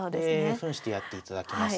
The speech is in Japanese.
ふんしてやっていただきます。